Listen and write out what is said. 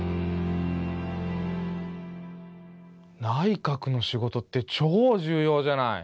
内閣の仕事ってチョ重要じゃない。